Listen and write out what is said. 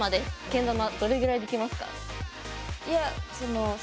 どれぐらいできますか？